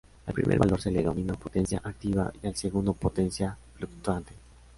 Al primer valor se le denomina potencia activa y al segundo potencia fluctuante.